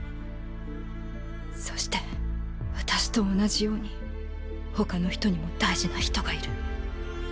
そして私と同じように他の人にも大事な人がいる。